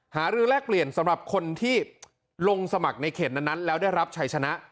หารือแลกเปลี่ยนสำหรับคนที่ลงสมัครในเขตนั้นแล้วได้รับชัยชนะ